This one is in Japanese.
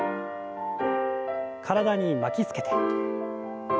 体に巻きつけて。